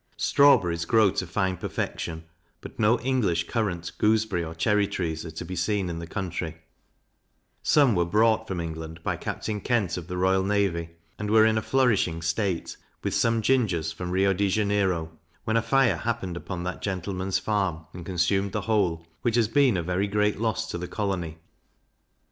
Strawberries grow to fine perfection; but no English currant, gooseberry, or cherry trees, are to be seen in the country: Some were brought from England by Captain Kent, of the royal navy, and were in a flourishing state, with some gingers, from Rio de Janeiro, when a fire happened upon that gentleman's farm, and consumed the whole, which has been a very great loss to the colony.